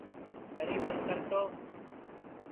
دری بند کر تو